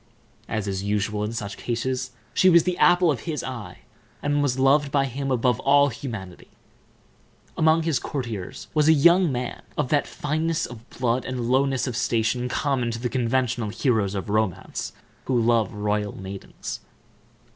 As is usual in such cases, she was the apple of his eye, and was loved by him above all humanity. Among his courtiers was a young man of that fineness of blood and lowness of station common to the conventional heroes of romance who love royal maidens.